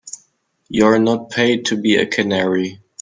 You're not paid to be a canary.